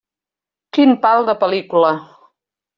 Quin pal de pel·lícula.